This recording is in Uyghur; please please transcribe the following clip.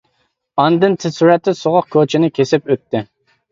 ئاندىن تېز سۈرئەتتە سوغۇق كوچىنى كېسىپ ئۆتتى.